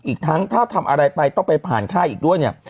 อีกทั้งถ้าทำอะไรไปต้องไปผ่านค่ายอีกด้วยเนี่ย